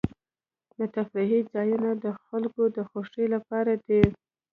د تفریح ځایونه د خلکو د خوښۍ لپاره دي.